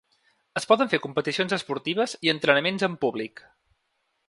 Es poden fer competicions esportives i entrenaments amb públic.